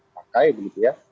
pakai begitu ya